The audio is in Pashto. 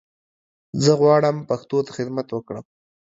زه غواړم پښتو ته خدمت وکړم